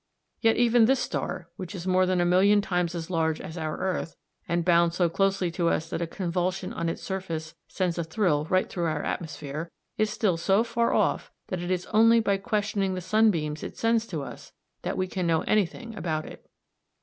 Yet even this star, which is more than a million times as large as our earth, and bound so closely to us that a convulsion on its surface sends a thrill right through our atmosphere, is still so far off that it is only by questioning the sunbeams it sends to us, that we can know anything about it.